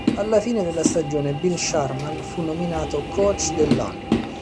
Alla fine della stagione Bill Sharman fu nominato coach dell'anno.